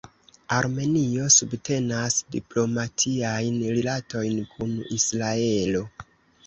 Armenio subtenas diplomatiajn rilatojn kun Israelo.